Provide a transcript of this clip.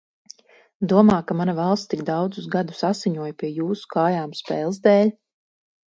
Domā, ka mana valsts tik daudzus gadus asiņoja pie jūsu kājām spēles dēļ?